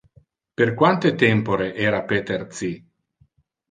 Per quante tempore era Peter ci?